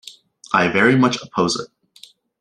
I very much oppose it.